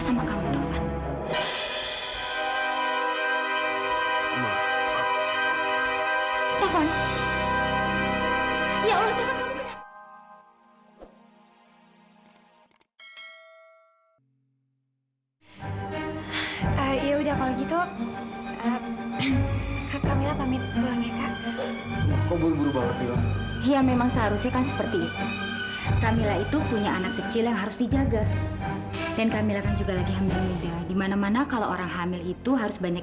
sampai jumpa di video selanjutnya